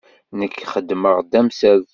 Nekk xeddmeɣ d amsaltu.